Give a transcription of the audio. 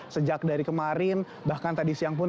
sejak dari kemarin bahkan tadi siang pun